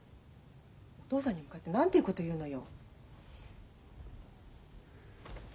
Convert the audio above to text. お父さんに向かって何ていうこと言うのよ。